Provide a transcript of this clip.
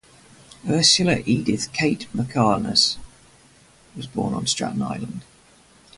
Ursula Edith Kate Mackarness was born on Staten Island.